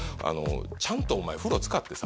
「ちゃんとお前風呂使ってさ」